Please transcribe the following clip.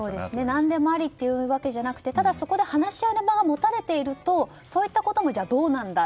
何でもありじゃなくて、そこで話し合いの場が持たれているとそういったこともどうなんだ